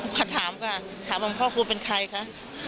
พระถามค่ะถามว่าพ่อคุณเป็นใครคะ